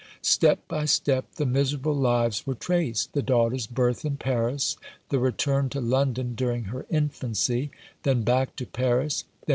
Step by step the miserable lives were traced — the daughter's birth in Paris ; the return to London during her infancy ; then back to Paris ; then, 312 What he Meant to Do.